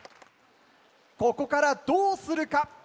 ここからどうするか。